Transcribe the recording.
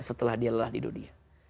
setelah dia lelah di dunia